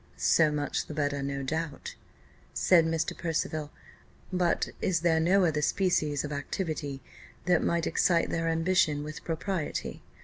"So much the better, no doubt," said Mr. Percival. "But is there no other species of activity that might excite their ambition with propriety?